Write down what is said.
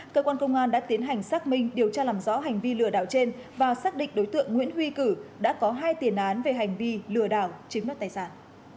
cơ quan công an đã tiến hành xác minh điều tra làm rõ hành vi lừa đảo trên và xác định đối tượng nguyễn huy cử đã có hai tiền án về hành vi lừa đảo chiếm đất tài sản